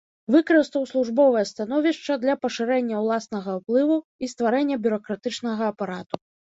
Выкарыстаў службовае становішча для пашырэння ўласнага ўплыву і стварэння бюракратычнага апарату.